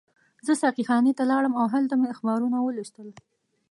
زه ساقي خانې ته لاړم او هلته مې اخبارونه ولوستل.